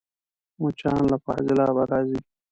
مچان له فاضلابه راځي